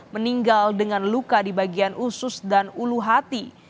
meninggal dengan luka di bagian usus dan ulu hati